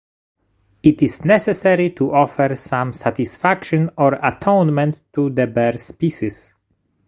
It is necessary to offer some satisfaction or atonement to the bear species.